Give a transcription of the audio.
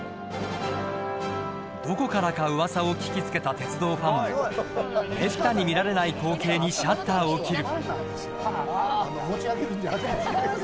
どこからかうわさを聞きつけた鉄道ファンもめったに見られない光景にシャッターを切る。